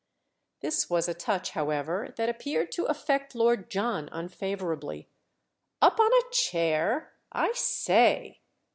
This was a touch, however, that appeared to affect Lord John unfavourably. "Up on a chair? I say!"